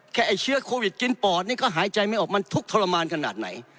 ไอ้เชื้อโควิดกินปอดนี่ก็หายใจไม่ออกมันทุกข์ทรมานขนาดไหน